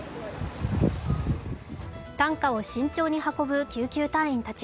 担架を慎重に運ぶ救急隊員たち。